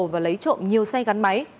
và lấy trộm nhiều xe gắn máy